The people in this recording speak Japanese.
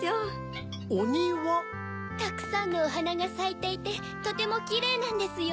たくさんのおはながさいていてとてもキレイなんですよ。